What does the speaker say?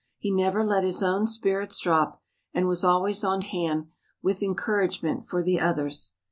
He never let his own spirits drop, and was always on hand with encouragement for the others.